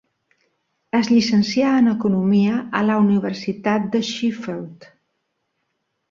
Es llicencià en economia a la Universitat de Sheffield.